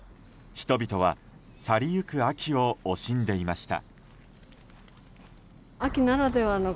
人々は去りゆく秋を惜しんでいました。